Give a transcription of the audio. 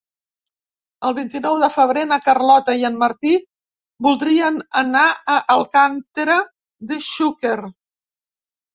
El vint-i-nou de febrer na Carlota i en Martí voldrien anar a Alcàntera de Xúquer.